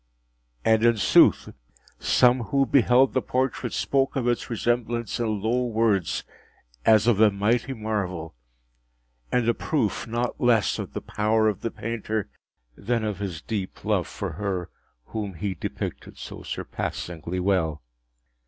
And in sooth some who beheld the portrait spoke of its resemblance in low words, as of a mighty marvel, and a proof not less of the power of the painter than of his deep love for her whom he depicted so surpassingly well.